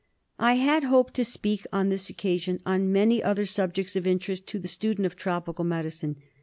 I had hoped to speak on this occasion on many other subjects of interest to the student of tropical medicine.